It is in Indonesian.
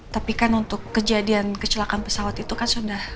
tapi kan untuk kejadian kecelakaan pesawat itu kan sudah